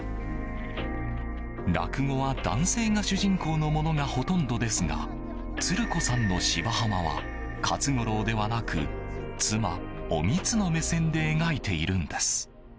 落語は男性が主人公のものがほとんどですがつる子さんの「芝浜」は勝五郎ではなく妻おみつの目線で描いているんです。